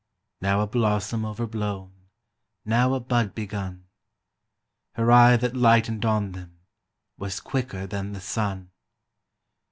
Now a blossom overblown, Now a bud begun Her eye that lightened on them Was quicker than the sun.